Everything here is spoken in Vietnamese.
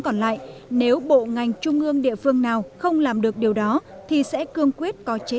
còn lại nếu bộ ngành trung ương địa phương nào không làm được điều đó thì sẽ cương quyết có chế